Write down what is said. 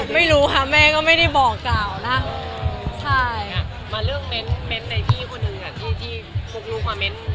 มีคนก็จะสังเกตที่การลูกเอง